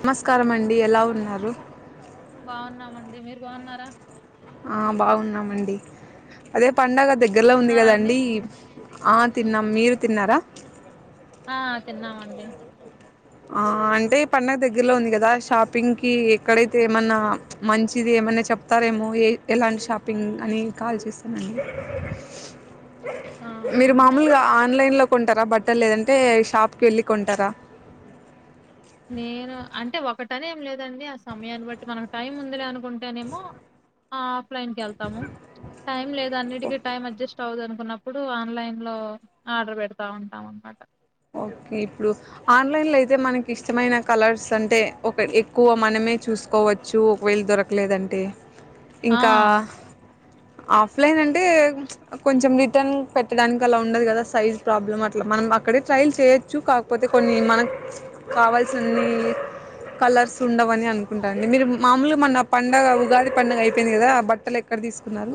నమస్కార అండి ఎలా ఉన్నారు అ మీరు బాగున్నారా ఆ బాగున్నామండి అదే పడుగ దగ్గరలో ఉంది తిన్నారా అండి కదండి ఆ తిన్నాం మీరు తిన్నారా ఆ తిన్నామండి ఆ అంటే పండగ దగ్గరలో ఉంది కదా షాపింగ్కి ఎక్కడైతే ఏమన్నా మంచిది ఏమైనా చెప్తారేమో ఎలాంటి షాపింగ్ అని కాల్ చేస్తానండి ఆ మీరు అంటే మామూలుగా ఆన్లైన్ లో కొంటరా బట్టలు లేదంటే షాప్కేళ్ళి కొంటారా నేను అంటే ఒకటనేం లేదండి ఆ సమయాన్ని బట్టి మనకు టైం ఉందిలే అనుకుంటేనేమో ఆ ప్లేన్ కెళ్తము టైం లేదు అన్నిటికి టైం అడ్జస్ స్ట అవదు అనుకున్నప్పుడు ఆన్లైన్ లో ఆర్డర్ పెడతా ఉంటాం అనమాట ఓకే ఇప్పుడు ఆన్లైన్ లో అయితే మనకి ఇష్టమైన కలర్స్ అంటే ఒక ఎక్కువ మనమే చూసుకోవచ్చు ఒకవేళ దొరకలేదంటే ఆ ఇంకా ఆఫ్లైన్ అంటే కొంచెం రిటర్న్ పెట్టడానికి అలా ఉండదు కదా సైజ్ ప్రాబ్లమ్ అట్లా మనం అక్కడే ట్రైల్ చేయొచ్చు కాకపోతే కొన్ని మనకు కావాల్సినన్ని కలర్స్ ఉండవని అనుకుంటాండి మీరు మామూలుగా మన పండగ ఉగాది పండగ అయిపోయింది కదా ఆ బట్టలు ఎక్కడ తీసుకున్నారు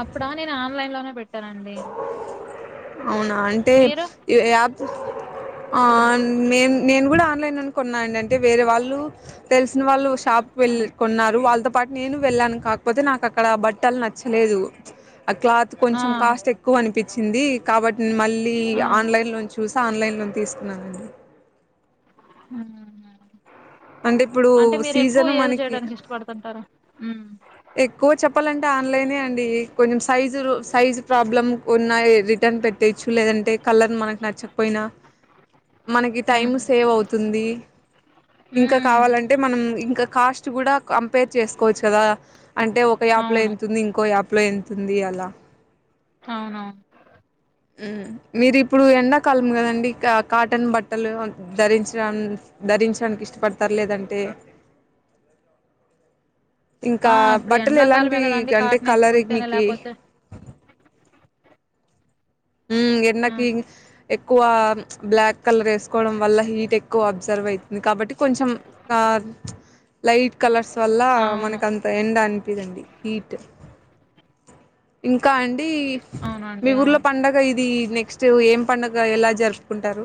అప్పుడా నేను ఆన్లైన్ లోనే పెట్టానండి అవునా అంటే మీరు య యాప్ ఆ ఉమ్, మేన్ నేను కూడా ఆన్లైన్ లో కొన్నానన్ టే వేరే వాళ్ళు తెలిసిన వాళ్ళు షాప్ వెళ్లి ఉమ్, కొన్నారు వాళ్ళతో పాట్ నేను వెళ్ళాను కాకపోతే నాకు అక్కడ బట్టల్ నచ్చలేదు ఆ క్లాత్ ఆ కొంచెం కాస్ట్ ఎక్కువ అనిపి చింది కాబట్ మళ్ళీ ఆ ఆన్లైన్ నుంచి చూసి ఆన్లైన్లో తీసుకున్నానండి హ్మ్ అంటే ఇప్పుడు సీజను మనకి ఉ ఎక్కువ చెప్పాలంటే ఆన్లైనే అండి కొంచెం సైజు సైజు ప్రాబ్లం కొన్నా రిటర్న్ పెట్టేచ్చు లేదంటే కలర్ మనకు నచ్చకపోయినా మనకి టైం ఉమ్ సేవ్ అవుతుంది ఇంకా ఉమ్ కావాలంటే మనం ఇంకా కాస్ట్ కూడా కంపేర్ చేసుకోచ్చు కదా అంటే ఒక యాప్ లో అవును ఎంతుంది ఇంకో యాప్ ప్లో ఎంతుంది అలా అవునవును హ్మ్ మీరు ఇప్పుడు ఎండాకాలం కదండి కాటన్ బట్టలు ధరించడా ధరించడానికి ఇష్టపడతారా లేదంటే ఆ! ఇంకా ఇప్పుడు బట్టలు ఎండ్లాకాలమే ఎలాంటి గదండీ! అంటే కలర్ కాటనేసుకుంటేనే మీకి లేపోతే ఉ ఎన్నకి హ్మ్. ఎక్కువ బ్లాక్ కలర్ వేసుకోవడం వల్ల హీట్ ఏక్ క్కువ అబ్జర్వ్ అవుతుంది కాబట్టి కొంచెం క లైట్ కలర్స్ వల్ల అవును. మనకు అంత ఎండ అనిపిదండి హీట్ ఇంకా అం అవునండి అవున్ పండుగ ఇది నెక్స్ట్ ఏం పండగ ఎలా జరుపుకుంటారు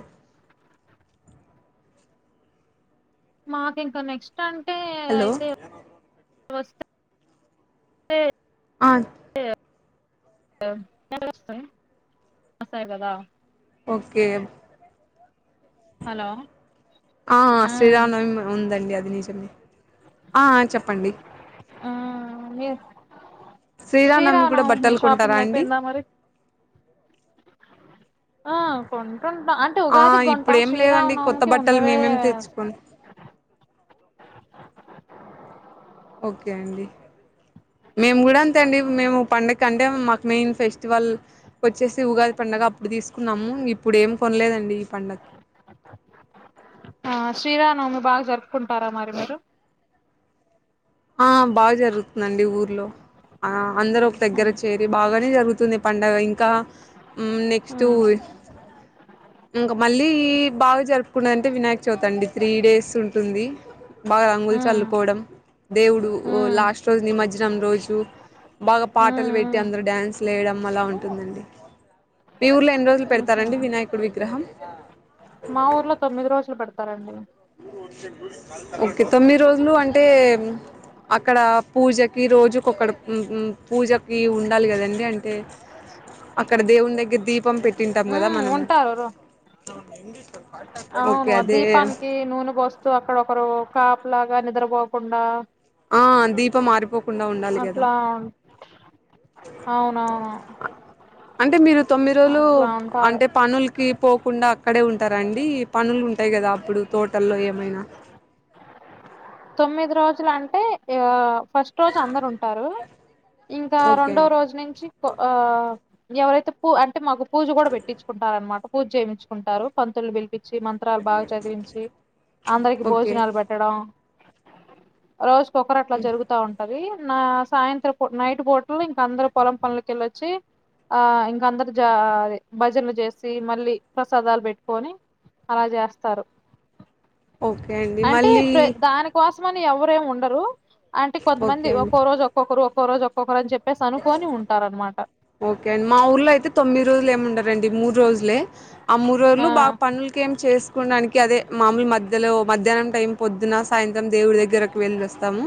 మాకు ఇంకా నెక్స్ట్ అంటే హలో అయితే స్వస్త ఆ అసాయి కదా ఓకే హలో! ఆ శ్రీరామనమి ఉందండి అది నిజమే ఆ చెప్పండి ఆ! మీరు శ్రీరామనమి కూడా శ్రీరామనవమికి మీ బట్టలు కొంటారా షాపింగ్ అండి అయిపోయిందా మరి? ఆ కొం అంటే ఆ! ఉగాది గుంటాం ఇప్పుడేం లేవండి కొత్త శ్రీరామనవమికి బట్టలు ఉన్నవే మేమేం తెచ్చుకోం. ఓకే అండి మేము కూడా అంతే అండి మేము పండుగ అంటే మాకు మెయిన్ ఫెస్టివల్ వచ్చేసి ఉగాది పండుగ అప్పుడు తీసుకున్నాము ఇప్పుడు ఏం కొనలేదండి ఈ పండుగకి ఆ శ్రీరానవమి బాగా జరుపుకుంటారా మరి మీరు ఆ బాగా జరుగుతుందండి ఊర్లో ఆ అందరు ఒక దగ్గర హ్మ్. చేరి బాగానే జరుగుతుంది పండగ ఇంకా నెక్స్ట్ హ్మ్. ఇంకా మళ్ళీ బాగా జరుపుకున్నదింటే వినాయక చవిత అండి త్రీ డేస్ ఉంటుంది బాగా రంగులు హ్మ్. చల్లుకోవడం దేవుడు హ్మ్. లాస్ట్ రోజు నిమజ్జనం రోజు బాగా హ్మ్. పాటలు పెట్టి హ్మ్. అందరు డ్యాన్స్ లేయడం అలా ఉంటుందండి మీ ఊర్లో ఎన్ని రోజులు హుహు. పెడతారండినాయకుడి విగ్రం ఆ మా ఊర్లో తొమ్మిది రోజులు పడుతుంది స్తరండి ఓకే తొమ్మిది రోజులు అంటే అక్కడ పూజకి రోజుకొక్కడ పూజకి ఉండాలి కదండి అంటే అక్కడ దేవుని దగ్గర దీపం పెట్టింట కదా హ్మ్. మనము ఉంటారు. ఎందు అవును దీపానికి నూనె పోసు అక్కడ ఒకరు కాపు లాగా నిద్రపోకుండా ఆ దీపం ఆరిపో అట్లా అవునవును అంటే మీరు తొమ్మిది రోజులు అట్లా ఉంటారు అంటే పనులకి పోకుండా అక్కడే ఉంట ంటారండి పనులు ఉంటాయి కదా అప్పుడు తోటల్లో ఏమైనా తొమ్మిది రోజులు అంటే ఆ ఫస్ట్ రోజు అందరు ఉంటారు ఇంకా ఓకే రెండో అండి రోజు నుంచి ఎవరైతే పూ అంటే మగు పూజ కూడా పెట్టిచ్చుకుంటారనమాట పూజ చేపిచుకుంటారు పంతులు పిలిపి మంత్రాలు బాగా చదివించి అందరికి ఓకే భోజనాలు పెట్టడం రోజ్ ఒకరు అట్లా జరుగుతా ఉంటది నా సాయంత్రం నైట్ పూటలో ఇంక అందరు పొలం పనులకెళ్ళొచ్చి ఆ ఇంక అందరు జ భజనలు చేసి మళ్ళీ ప్రసాదాలు బెట్టుకోని అలా జేస్తారు ఓకే అండి మళ్ళీ ఉపాస్మని ఎవరేం ఉండరు అంటే ఓకే కొంతమంది అండి ఒక్కో రోజు ఒక్కొక్కరు ఒక్కరోజు ఒక్కొక్కరు అని జెప్ ఓకే అండి మా ఊర్లో అయితే తొమ్మిది రోజులు ఏమిండారండి మూడు రోజులే ఆ మూడు ఆ రోజులు బాగా పనులకి ఏం చేసుకోవడానికి అదే మామూలు మధ్యలో మధ్యాహ్నం టైం పొద్దున సాయంత్రం దేవుడి దగ్గరకి వెల్లోస్తాము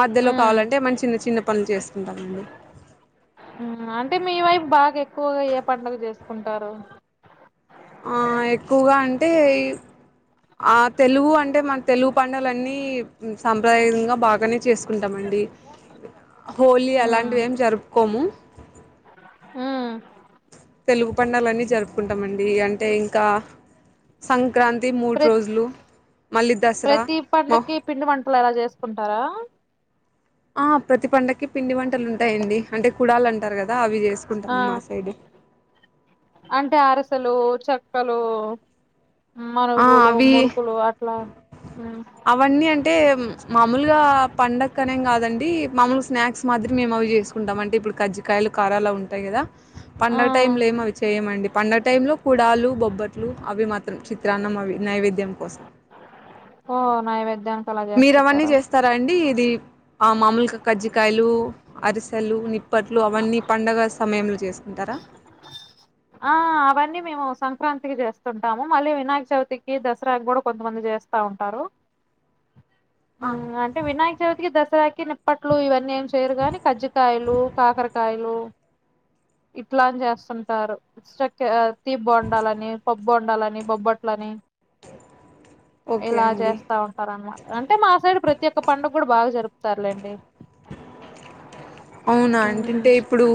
మధ్యలో ఉమ్ కావాలంటే మన చిన్న చిన్న పనులు చేసుకుంటామండి అంటే మీ వైఫ్ బాగా ఎ ఎక్కువగా ఏ పండగ జెస్ కుంటారు ఆ ఎక్కువగా అంటే ఆ తెలుగు అంటే మన తెలుగు పడుగలన్నీ సాంప్రదాయంగా బాగానే చేసుకుంటామండి హోలీ ఉమ్ అలాంటివి ఏం జరుపుకోము ఊ తెలుగు పండలన్నీ జరుపుకుంటామండి అంటే ఇంకా సం ప్రతి దసరా ప్రతి మా పండుక్కి కి పిండి వంటలు ఎలా జేసుకుంటారా ఆ ప్రతి పండకి పిండి వంటలు ఉంటాయండి అంటే కుడాలు అంటారు కదా అవి చే ఆ అంటే అరుసలు చెక్కలు ఆ మనుగులు అవి మురుకులు అట్లా అవన్నీ అంటే మామూలుగా పండకఅనేం కాదండి మామూలుగా స్నాక్స్ మాదిరి మేము అవి చేసుకుంటాం అంటే ఇప్పుడు కజ్జకాయలు కారాల ఉంటాయి గదా ఆ పండడుగ టైమ్ లో ఏమ అవి చేయమండి పండగ టైమ్ లో కుడాలు బొబ్బట్లు అవి మాత్రం చి మా నైవేద్యం కోసం ఓ నైవేద్య మీరు అవన్నీ చేస్తారా అండి ఇది ఆ మామూలుగా కజ్జికాయలు అరిసెలు నిప్పట్లు అవన్నీ పండగ సమయంలో చేస్త ఆ అవన్నీ మేము సంక్రాంతికి చేస్తుంటాము మళ్ళీ వినాయక చవితికి దసరా గూడా కొంతమంది చేస్తా ఉంటారు ఆ, అంటే వినాయక చవితికి దసరాకి నిప్పట్లు ఇవన్నీ ఏం చేయరు గాని కజ్జికాయలు కాకరకాయలు ఇట్లాని చేస్తుంటారు చక్క తీ బొండాలని పబ్బోండాలని బొబ్బట్లని ఓకే ఇలా అండి చేస్తా ఉంటారు అన్నమాట అంటే మా సైడ్ ప్రతి ఒక్క పండుగ కూడా బాగా జరుపుతారులేండి అవునా అంటుంటే హు ఇప్పుడు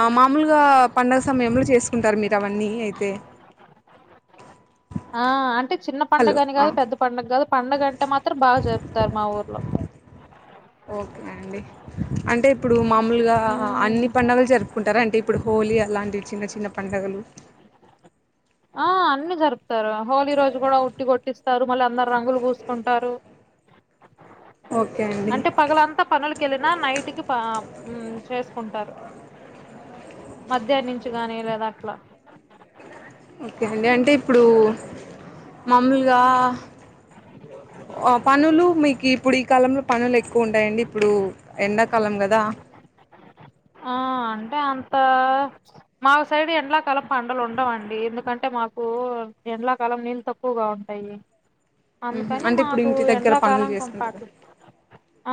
ఆ మామూలుగా పండగ సమయంలో చేసుకుంటారు మీరు అవన్నీ అయితే ఆ అంటే చిన్న పండుగ హలో అని కాదు ఆ. పెద్ద పండగని కాదు పండగంటే మాత్రం బాగా జరుపుతారు మా ఊర్లో ఓకే అండి అంటే ఇప్పుడు మామూలుగా అన్ని అవునా పండుగలు జరుపుకుంటార అంటే ఇప్పుడు హోలీ అలాంటివి చిన్న చిన్న పండగలు ఆ అన్నీ జరుప్ తరు హోలీ రోజు కూడా ఉట్టి కొట్ మళ్ళ అందరు రంగులు పుసుకుంటారు ఓకే అండి అంటే పగలంతా పనులకేళ్ళినా నైట్కి ప ఆ హు చేసుకుంటారు మధ్యాహ్ంచి గాని లేదా అట్లా ఓకే అండి అంటే ఇప్పుడు మామలుగా పనులు మీకు ఇప్పుడు ఈ కాలంలో పనులు ఎక్ క్కువ ఉంటాయండి ఇప్పుడు ఎండ కాలం కదా ఆ అంటే అంత మా సైడ్ ఎండలకాలం పంటలు ఉండవండి ఎందుకంటే మాకు ఎండకాలం నీళ్ళు తక్కువగా ఉంటాయి. మ్హూ. అందుకని అంటే ఇప్పుడు మాకు ఇంటి దగ్గర పనులు ఎండలకాలం చేసుకుంటారు కొంపాకి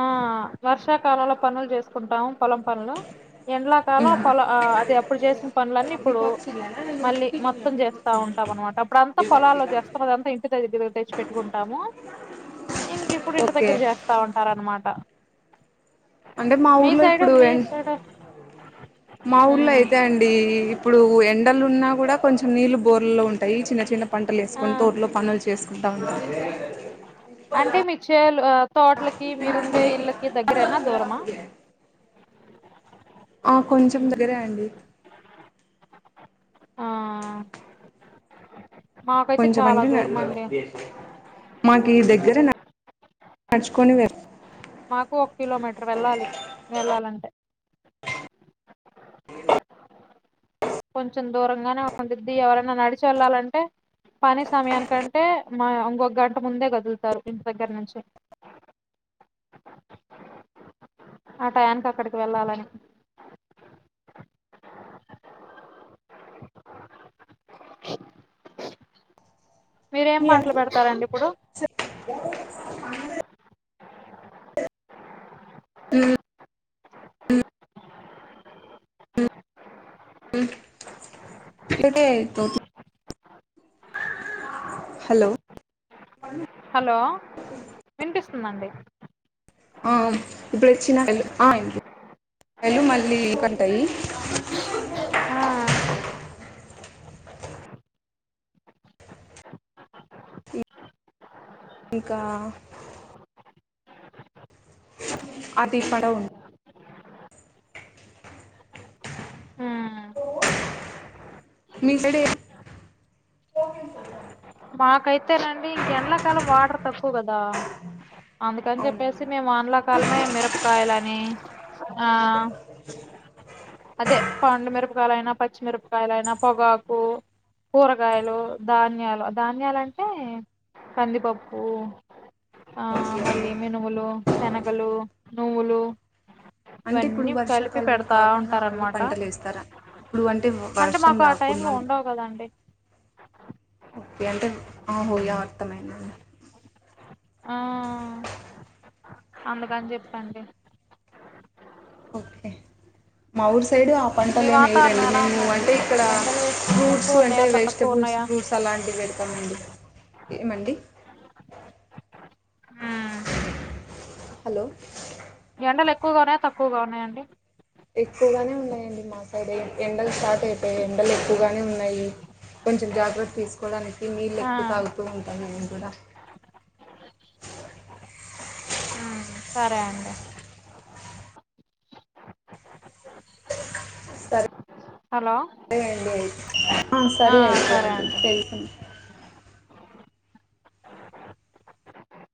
ఆ వర్షాకాలంలో పనులు చేసుకుంటాము పొలం పనులు ఎండాలాకాలం పొల అది అప్పుడు చేసిన పనులన్నీ ఇప్పుడు మళ్ళీ మొత్తం చేస్తా ఉంటాం. అనమాట అప్పుడంతా పొలాల్లో చేస్తాము. అదంతా ఇంటి దగ్గర తెచ్చి పెట్టుకుంటాము. ఇంకిప్పుడు ఇంటి ఓకే దగ్గర చేస్తా ఉంటారు అన్నమాట అంటే మా ఊర్లో ఇప్పుడు మీ ఎండ్ సైడు మా ఊర్లో ఉమ్ అయితే అండి ఇప్పుడు ఎండలు ఉన్నా కూడా కొంచెం నీళ్లు బోర్లలో ఉంటాయి. చిన్న చిన్న ఆ పంటలేసుకొని తోటిలో పనులు చేసుకుంటం అంటే మీ చేలు తోటలకి మీరుండే ఇళ్ళకి దగ్గరేనా దూరమా ఆ కొంచెం దగ్గరే అండి. ఆ మాకైతే చాలా కొంచంమంటే న దూరం అండి మాకి ఈ దగ్గర నడ్ చ్ నడుచుకొని వెల్ మాకు ఒక కిలోమీటర్ వెళ్ళాలి. వెళ్ళాలంటే కొంచెం దూరంగానే ఉంద్ది ఎవరైనా నడిచి వెళ్ళాలంటే పనీ సమయానికంటే మా ఇంకొ గంట ముందే కదులుతారు. ఇంటి దగ్గర నుంచి ఆ టై యాన్నికి అక్కడికి వెళ్ళాలని మీరేం పంటలు పెడతారండి ఇప్పుడు మ్ మ్ డే హలో హలో వినిపిస్తుందండి. ఆ ఇప్పుడు ఇచ్చిన ఆ ఏళ్లు మళ్ళీ కంటాయి. ఆ ఇంకా అతి పడవ్ మ్ మీసైడ్ మాకైతేనండి ఎండలాకాలం వాటర్ తక్కువ కదా అందుకని చెప్పేసి అవునండి మేము వానలాకాలమే మిరపకాయలు అని ఆ అదే పండుమిరపకాయల అయినా పచ్చిమిరపకాయల అయినా పొగాకు కూరగాయలు ధాన్యాలు ధాన్యాల అంటే కందిపప్పు ఆ ఓకే అండి మళ్ళీ మినుములు శనగలు నువ్వులు అంటే ఇప్పుడు ఇవన్నీ కలిపి వర్షాకాలం పెడతా కాకుండా అవన్నీ ఉంటారనమాట పంటలు వేస్తారా ఇప్పుడు అంటే వర్షం మాకు ఆ టైమ్ లో రాకున్నా ఉండవు కదండి ఓకే అంటే ఆహోయా అర్థమైంది. ఆ అందుకని చెప్పండి. ఓకే మాఊర్ సై సైడు ఆ మీ పంటలు ఏమి వాతావరణం వేయరండి ఎలా మేము ఉందండి అంటే ఇక్కడ ఎండలు ఫ్రూట్స్ ఎక్కువ అంటే ఉన్నాయా తక్కువ వెజిటబుల్స్ ఉన్నాయా ఫ్రూట్స్ అలాంటివి పెడతామండి. ఏమండి మ్మ్. హలో ఎండలు ఎక్కువగా ఉన్నాయా తక్కువగా ఉన్నాయండి. ఎక్కువగానే ఉన్నాయండి మా సైడ్ ఎండలు స్టార్ట్ అయిపోయాయి ఎండలు ఎక్కువగానే ఉన్నాయి. కొంచెం జాగ్రత్త తీసుకోవడానికి నీళ్లు ఆ ఎక్కువ తాగుతూ ఉంటాను అ కుడ మ్మ్. సరే అండి సరే హలో అ ఆ సరే అయితే సరే అండి తెలుసుంది